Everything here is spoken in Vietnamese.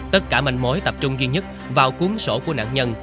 tất cả mình mối tập trung duy nhất vào cuốn sổ của nạn nhân